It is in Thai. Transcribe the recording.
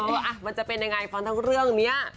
เออมันจะเป็นยังไงทั้งเรื่องเนี๊ยะ